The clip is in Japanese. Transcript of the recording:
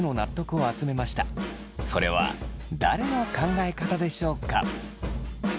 それは誰の考え方でしょうか。